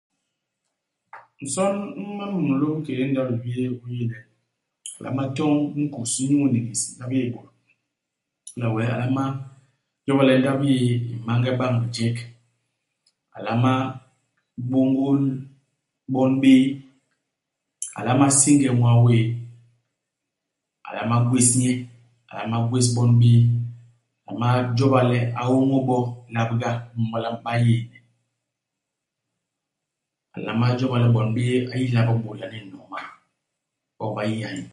Nson u man mulôm ikédé ndap-libii u yé le, a nlama toñ nkus inyu iniñis ndap-yéé-bôt. Hala wee a nlama joba le ndap yéé i mange bañ bijek. A nlama bôngôl bon béé. A nlama singe ñwaa wéé. A nlama gwés nye. A nlama gwés bon béé. A nlama joba le a ôñôl bo labga inyu iboñ le ba yél. A nlama joba le bon béé ba yila bôt yaani ni nomaa. Bok ba yiha nye.